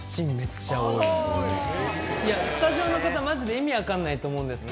スタジオの方マジで意味分かんないと思うんですけど。